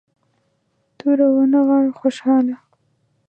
توره ونغاړه خوشحاله.